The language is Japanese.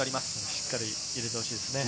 しっかり入れてほしいですね。